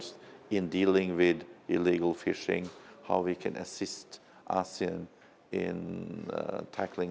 cũng thế về cơ bản tương trọng của chương trình